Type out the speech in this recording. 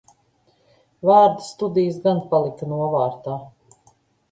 Vārda studijas gan palika novārtā.